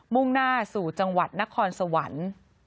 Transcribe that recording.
่งหน้าสู่จังหวัดนครสวรรค์